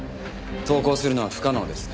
投稿するのは不可能です。